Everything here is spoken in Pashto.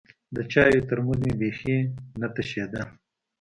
د چايو ترموز مې بيخي نه تشېده.